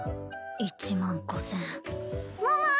１万５０００桃！